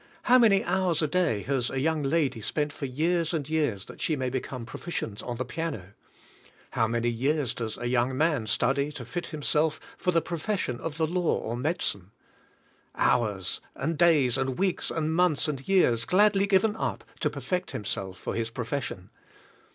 How many hours a day has a young lady spent for years and 3^ears that she may become proficient on the piano? How many years does a young man study to lit himself for the profession of the law or medi cine? Hours, and days, and weeks, and months, and years, gladly given up to perfect himself for his profession.